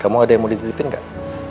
kamu ada yang mau dititipin nggak